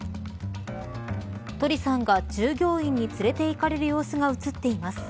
トリさんが従業員に連れて行かれる様子が映っています。